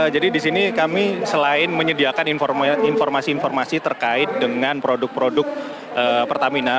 jadi disini kami selain menyediakan informasi informasi terkait dengan produk produk pertamina